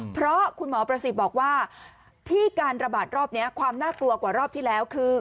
เพราะคุณหมอประสิทธิ์บอกว่าที่การระบาดรอบนี้ความน่ากลัวกว่ารอบที่แล้วคือ